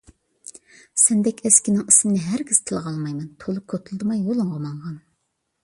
سەندەك ئەسكىنىڭ ئىسمىنى ھەرگىز تىلغا ئالمايمەن، تولا كوتۇلدىماي يولۇڭغا ماڭغىن!